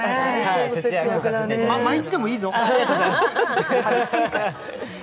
毎日でもいいぞ。